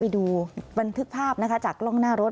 ไปดูบันทึกภาพนะคะจากกล้องหน้ารถ